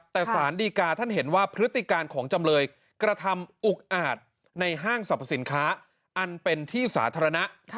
แต่สารดีกาท่านเห็นว่าพฤติการของจำเลยกระทำอุกอาจในห้างสรรพสินค้าอันเป็นที่สาธารณะ